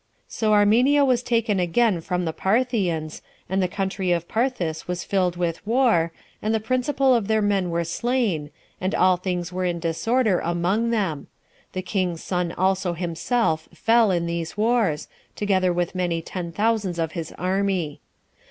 So Armenia was again taken from the Parthians, and the country of Parthia was filled with war, and the principal of their men were slain, and all things were in disorder among them: the king's son also himself fell in these wars, together with many ten thousands of his army.